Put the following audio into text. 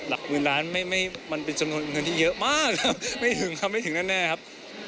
หลักหมื่นล้านมันเป็นจำนวนเงินที่เยอะมากครับไม่ถึงครับไม่ถึงแน่ครับ